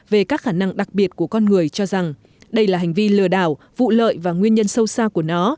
về các khả năng đặc biệt của con người cho rằng đây là hành vi lừa đảo vụ lợi và nguyên nhân sâu xa của nó